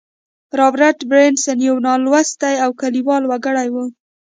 رابرټ برنس يو نالوستی او کليوال وګړی و.